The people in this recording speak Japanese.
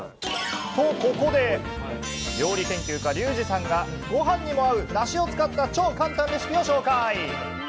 と、ここで、料理研究家、リュウジさんがごはんにも合う梨を使った超簡単レシピを紹介。